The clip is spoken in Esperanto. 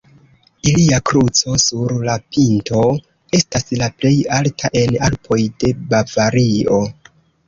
Ilia kruco sur la pinto estas la plej alta en Alpoj de Bavario.